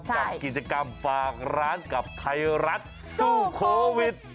กับกิจกรรมฝากร้านกับไทยรัฐสู้โควิด